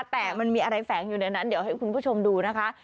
แต่มันมีอะไรแฝงอยู่ในนั้นเดี๋ยวให้คุณผู้ชมดูนะคะ